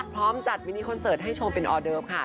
พร้อมจัดมินิคอนเสิร์ตให้ชมเป็นออเดิฟค่ะ